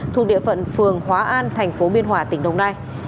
thuộc địa phận phường hóa an thành phố biên hòa tỉnh đồng nai